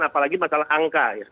apalagi masalah angka